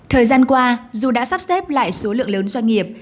thời gian qua dù đã sắp xếp lại số lượng lớn doanh nghiệp